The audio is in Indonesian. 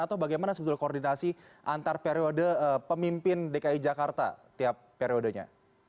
atau bagaimana sebetulnya koordinasi antar periode pemimpin dki jakarta tiap periodenya